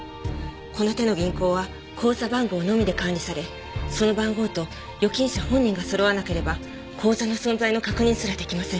この手の銀行は口座番号のみで管理されその番号と預金者本人が揃わなければ口座の存在の確認すら出来ません。